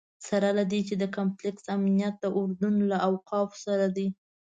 سره له دې چې د کمپلکس امنیت د اردن له اوقافو سره دی.